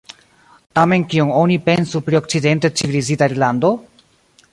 Tamen kion oni pensu pri okcidente civilizita Irlando?